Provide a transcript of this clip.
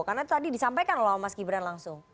karena tadi disampaikan lho mas gibran langsung